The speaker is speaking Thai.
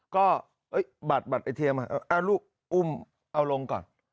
ก็บัตรไอเทียมลูกอุ้มเอาลงก่อน